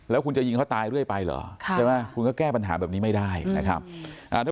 แล้วคุณจะยิงเขาตายเรื่อยไปเหรอใช่ไหมคุณก็แก้ปัญหาแบบนี้ไม่ได้นะครับ